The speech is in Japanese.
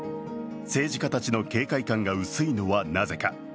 政治家たちの警戒感が薄いのはなぜか。